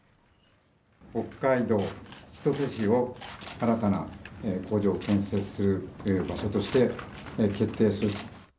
北海道千歳市を新たな工場を建設する場所として決定すると。